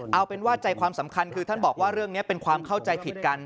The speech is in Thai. เอาเป็นว่าใจความสำคัญคือท่านบอกว่าเรื่องนี้เป็นความเข้าใจผิดกัน